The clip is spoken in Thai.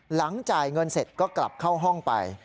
จ่ายเงินเสร็จก็กลับเข้าห้องไป